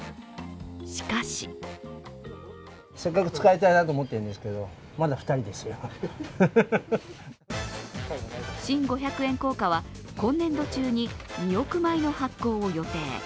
しかし新五百円硬貨は今年度中に２億枚の発行を予定。